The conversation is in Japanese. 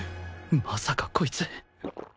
まさかこいつ